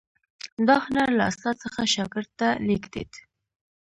دا هنر له استاد څخه شاګرد ته لیږدید.